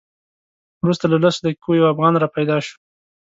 وروسته له لسو دقیقو یو افغان را پیدا شو.